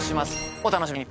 お楽しみに。